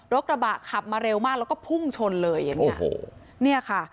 รถกระบะขับมาเร็วมากแล้วก็พุ่งชนเลยโอ้โหเนี่ยค่ะ